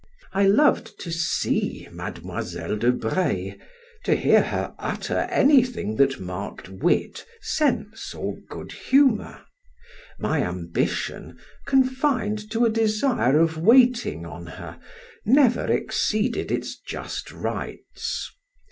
I loved to see Mademoiselle de Breil; to hear her utter anything that marked wit, sense, or good humor: my ambition, confined to a desire of waiting on her, never exceeded its just rights.